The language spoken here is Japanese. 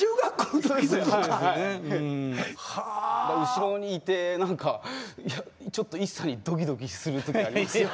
後ろにいて何かちょっとＩＳＳＡにドキドキする時ありますよ。